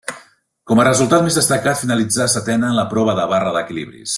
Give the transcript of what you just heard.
Com a resultat més destacat finalitzà setena en la prova de barra d'equilibris.